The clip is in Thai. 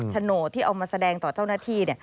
โฉนดที่เอามาแสดงต่อเจ้าหน้าที่